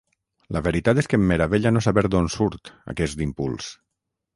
La veritat és que em meravella no saber d'on surt, aquest impuls.